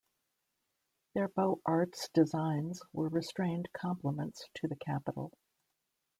Their Beaux Arts designs were restrained complements to the Capitol.